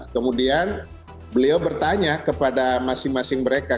kemudian beliau bertanya kepada masing masing mereka